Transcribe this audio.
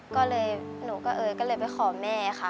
ก็เลยหนูกับเอ๋ยก็เลยไปขอแม่ค่ะ